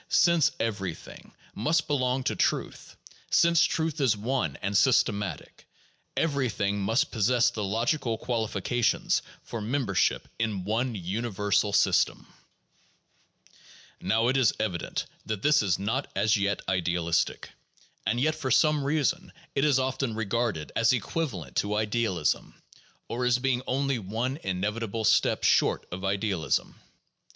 Since everything must belong to truth, and since truth is one and systematic, everything must possess the logical qualifications for membership in one universal system. 10 THE JOURNAL OF PHILOSOPHY Now it is evident that this is not as yet idealistic. And yet, for some reason, it is often regarded as equivalent to idealism, or as being only one inevitable step short of idealism.